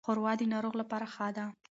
ښوروا د ناروغ لپاره ښه ده.